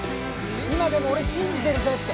今でも俺信じてるぜって。